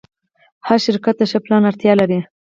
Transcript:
هر شرکت د ښه پلان اړتیا لري.